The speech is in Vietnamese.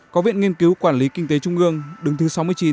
có viện nghiên cứu quản lý kinh tế trung ương đứng thứ sáu mươi chín